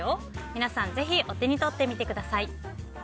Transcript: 皆さんぜひお手に取ってみてください。